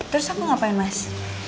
terus aku ngapain mas